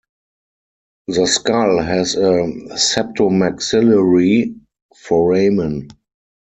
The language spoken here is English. The skull has a septomaxillary foramen.